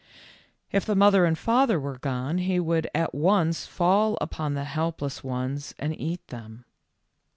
If the mother and father were gone, he would at once fall upon the helpless ones and eat them.